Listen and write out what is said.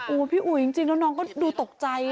โอ้โหพี่อุ๋ยจริงแล้วน้องก็ดูตกใจ